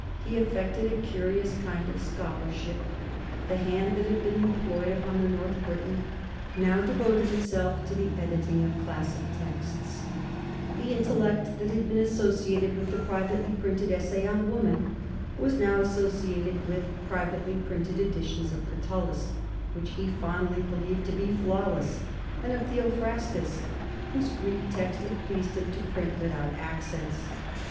He affected a curious kind of scholarship. The hand that had been employed upon the North Briton, now devoted itself to the editing of classic texts; the intellect that had been associated with the privately printed "Essay on Woman" was now associated with privately printed editions of Catullus which he fondly believed to be flawless, and of Theophrastus, whose Greek text it pleased him to print without accents.